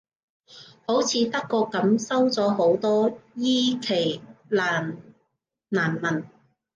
好似德國噉，收咗好多伊期蘭難民